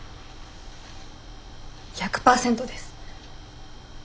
１００％です。